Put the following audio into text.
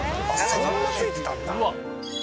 そんなついてたんだ。